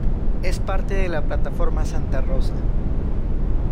Es parte de la Plataforma Santa Rosa.